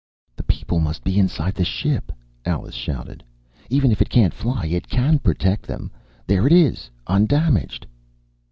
"The people must be inside the ship!" Alice shouted. "Even if it can't fly, it can protect them! There it is, undamaged!..."